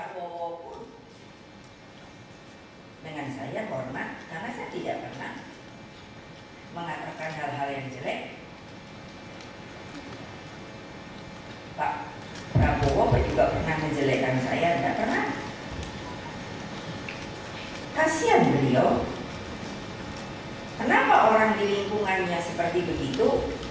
kenapa orang di lingkungannya seperti begitu